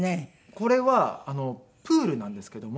これはプールなんですけども。